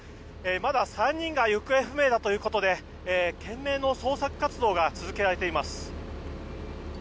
まだ３人が行方不明だということで懸命の捜索活動が続けられています。